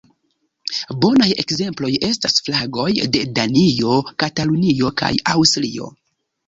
Bonaj ekzemploj estas flagoj de Danio, Katalunio kaj Aŭstrio.